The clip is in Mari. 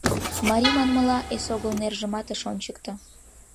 Марий манмыла, эсогыл нержымат ыш ончыкто.